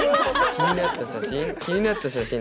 気になった写真？